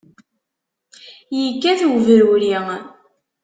Yekkat ubruri.